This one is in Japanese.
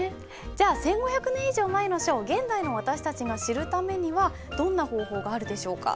じゃあ１，５００年以上前の書を現代の私たちが知るためにはどんな方法があるでしょうか？